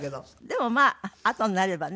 でもまああとになればね。